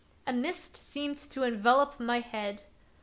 A mist seemed to envelop my head.